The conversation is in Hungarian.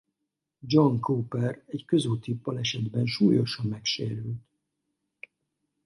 John Cooper egy közúti balesetben súlyosan megsérült.